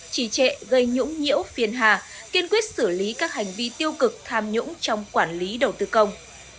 trì trệ gây nhũng nhiễu phiền hà kiên quyết xử lý các hành vi tiêu cực tham nhũng trong quản lý đầu tư công